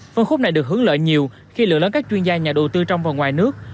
phân khúc này được hướng lợi nhiều khi lượng lớn các chuyên gia nhà đầu tư trong và ngoài nước